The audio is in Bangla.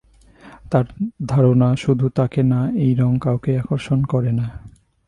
তাঁর ধারণা শুধু তাঁকে না এই রঙ কাউকেই আকর্ষণ করে না।